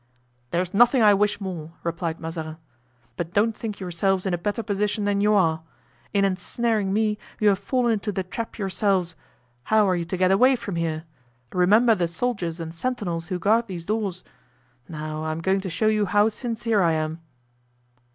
"There's nothing I wish more," replied Mazarin. "But don't think yourselves in a better position than you are. In ensnaring me you have fallen into the trap yourselves. How are you to get away from here? remember the soldiers and sentinels who guard these doors. Now, I am going to show you how sincere I am."